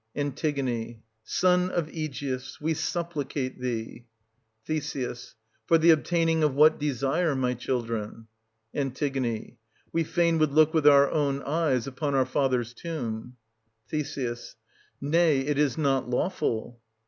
An. Son of Aegeus, we supplicate thee ! Th. For the obtaining of what desire, my children ? An. We fain would look with our own eyes upon our father's tomb. Th. Nay, it is not lawful.